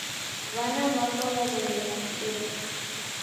W'ana w'apo w'aw'elemwa kudeda.